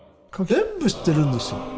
カキは全部知ってるんですよ。